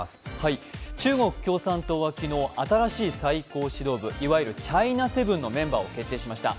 中国共産党は昨日新しい最高指導部いわゆるチャイナセブンのメンバーを決定しました。